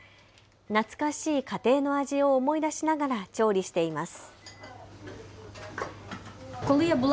懐かしい家庭の味を思い出しながら調理しています。